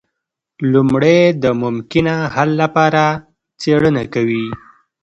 لومړی د ممکنه حل لپاره څیړنه کوي.